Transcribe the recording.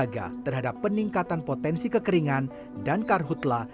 menjaga terhadap peningkatan potensi kekeringan dan karhutlah